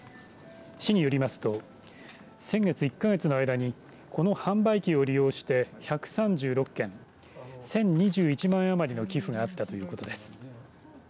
市によりますと先月１か月の間にこの販売機を利用して１３６件１０２１万円余りの寄付があったということです。